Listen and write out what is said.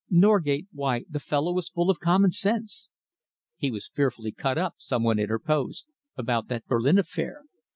Norgate why, the fellow was full of common sense." "He was fearfully cut up," some one interposed, "about that Berlin affair."